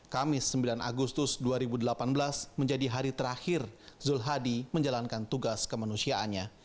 kamis sembilan agustus dua ribu delapan belas menjadi hari terakhir zul hadi menjalankan tugas kemanusiaannya